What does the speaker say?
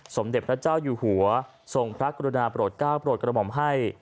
สมเด็จพระเจ้าอยู่หัวส่งพระกรุณาปโรธ๙ปรโมมให้